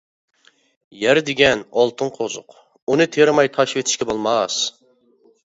-يەر دېگەن ئالتۇن قوزۇق، ئۇنى تېرىماي تاشلىۋېتىشكە بولماس.